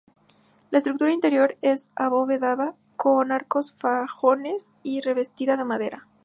La estructura interior es abovedada con arcos fajones y revestida de madera.